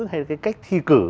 hay là cái cách thi cử